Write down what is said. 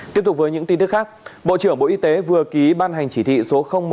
tiếp tục với những tin tức khác bộ trưởng bộ y tế vừa ký ban hành chỉ thị số một